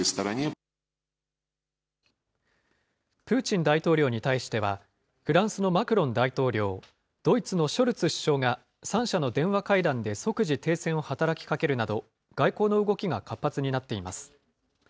プーチン大統領に対しては、フランスのマクロン大統領、ドイツのショルツ首相が、３者の電話会談で即時停戦を働きかけるなど、外交の動きが活発になっています。